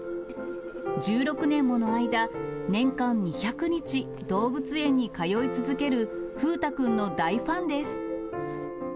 １６年もの間、年間２００日、動物園に通い続ける、風太くんの大ファンです。